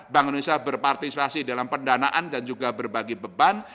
bank indonesia berpartisipasi dalam pendanaan dan juga berbagi beban